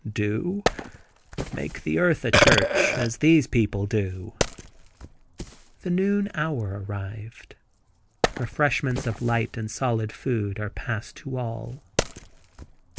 "Do? Make the earth a church, as do these people." The noon hour arrived. Refreshments of light and solid food are passed to all.